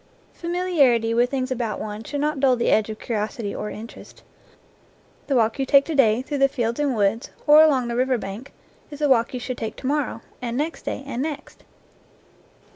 Familiarity with things about one should not dull the edge of curiosity or interest. The walk you take to day through the fields and woods, or along the river bank, is the walk you should take to morrow, and next day, and next.